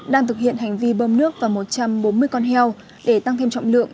đang thực hiện hành vi bơm nước vào một trăm bốn mươi con heo để tăng thêm trọng lượng